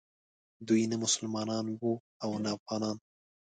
دوی نه مسلمانان وو او نه افغانان.